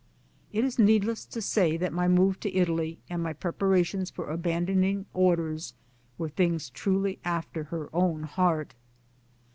It is needless to say that my move to Italy and my preparations for abandoning Orders were things truly after her own heart.